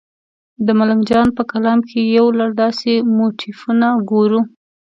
د ملنګ جان په کلام کې یو لړ داسې موتیفونه ګورو.